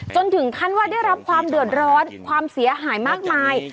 จนถึงขั้นว่าได้รับความเดือดร้อนความเสียหายมากมาย